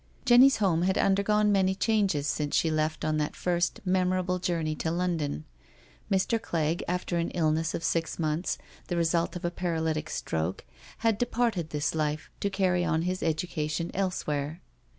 Jenny's home had undergone many changes since she left on that first memorable journey to London. Mr. Clegg, after an illness of six months, the result of a paralytic stroke, had departed this life to carry on his education elsewhere.